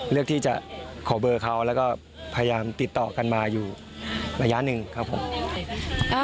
เราก็กำลังพยายามติดต่อกันมาอยู่ระยะนึงของผม